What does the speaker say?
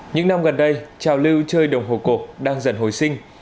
những năm gần đây trào lưu chơi đồng hồ cổ đang dần hồi sinh